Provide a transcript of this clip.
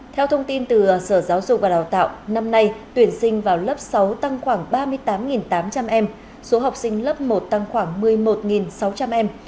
theo thông tin từ sở giáo dục và đào tạo năm nay tuyển sinh vào lớp sáu tăng khoảng ba mươi tám tám trăm linh em số học sinh lớp một tăng khoảng một mươi một sáu trăm linh em